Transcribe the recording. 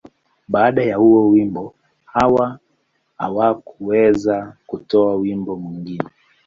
Baada ya huo wimbo, Hawa hakuweza kutoa wimbo mwingine.